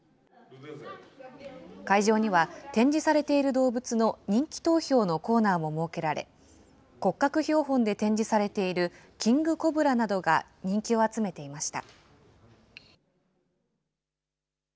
会場には、展示されている動物の人気投票のコーナーも設けられ、骨格標本で展示されているキングコブラなどが人気を集めていました。